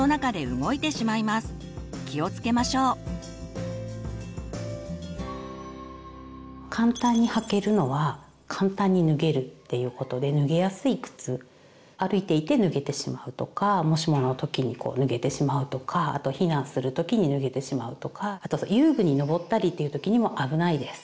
気をつけましょう。っていうことで脱げやすい靴歩いていて脱げてしまうとかもしもの時にこう脱げてしまうとかあと避難する時に脱げてしまうとかあと遊具にのぼったりという時にも危ないです。